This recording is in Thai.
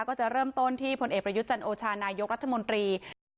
ก็จะเริ่มต้นที่พลเอกประยุทธ์จันโอชานายกรัฐมนตรี